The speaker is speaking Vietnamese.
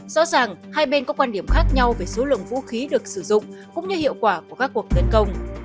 rõ ràng hai bên có quan điểm khác nhau về số lượng vũ khí được sử dụng cũng như hiệu quả của các cuộc tấn công